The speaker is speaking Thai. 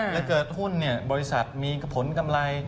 และเกิดหุ้นบริษัทมีผลกำไร